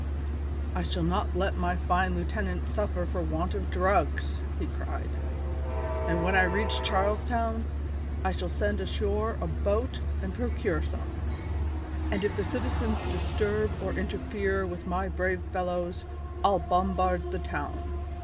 "I shall not let my fine lieutenant suffer for want of drugs," he cried, "and when I reach Charles Town I shall send ashore a boat and procure some; and if the citizens disturb or interfere with my brave fellows, I'll bombard the town.